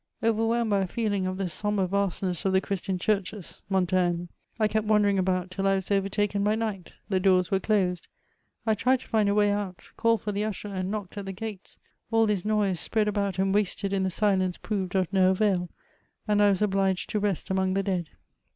Overwhidmed by a feeling of the sombre wuine$8 of the CbristtoM Ckmreke* (Montaigne), I kept wan dering about, till I was overtaken by nk^ht : the doors were closed : I tried to find a way out — called for the usher — and knocked at the gates; all this noise, spread about and wasted in tiie silenee, proved of no avail; and I was obliged to rest among tiie dead.